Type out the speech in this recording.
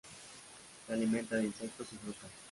Se alimenta de insectos y frutas.